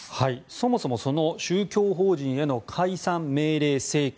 そもそもその宗教法人への解散命令請求